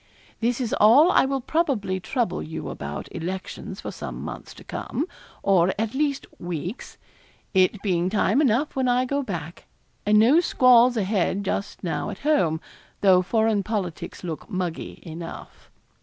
'This is all I will probably trouble you about elections for some months to come, or, at least, weeks. It being time enough when I go back, and no squalls a head just now at home, though foreign politics look muggy enough.